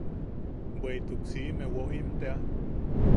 Bweʼituk siʼime woʼim tea.